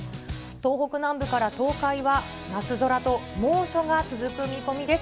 東北南部から東海は夏空と猛暑が続く見込みです。